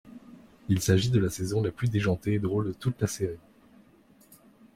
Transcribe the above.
Il s'agit de la saison la plus déjantée et drôle de toute la série.